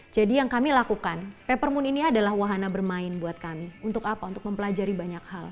jadi yang kami lakukan paper moon ini adalah wahana bermain buat kami untuk apa untuk mempelajari banyak hal